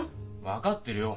分かってるよ。